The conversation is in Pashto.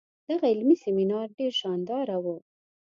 دغه علمي سیمینار ډیر شانداره وو.